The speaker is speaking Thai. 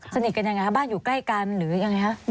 สนิทกันยังไงคะบ้านอยู่ใกล้กันหรือยังไงคะ